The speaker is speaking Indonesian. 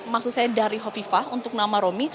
maksud saya dari hovifah untuk nama romi